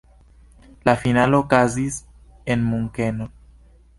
La finalo okazis en Munkeno.